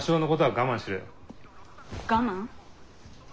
我慢？